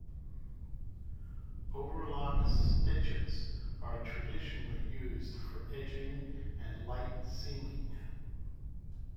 Overlock stitches are traditionally used for edging and light seaming.